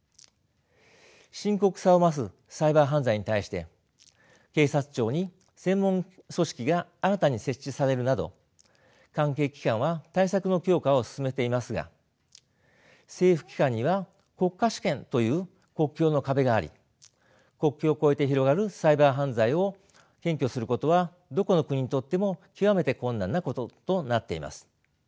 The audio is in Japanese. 深刻さを増すサイバー犯罪に対して警察庁に専門組織が新たに設置されるなど関係機関は対策の強化を進めていますが政府機関には国家主権という国境の壁があり国境を越えて広がるサイバー犯罪を検挙することはどこの国にとっても極めて困難なこととなっています。